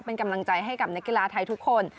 เป็นกำลังใจให้กับนักกีฬาไทยทุกคน